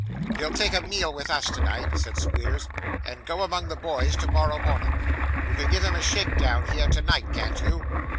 'He'll take a meal with us tonight,' said Squeers, 'and go among the boys tomorrow morning. You can give him a shake down here, tonight, can't you?